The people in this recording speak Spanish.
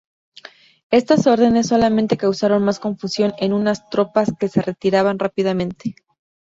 Estas órdenes solamente causaron más confusión en unas tropas que se retiraban rápidamente.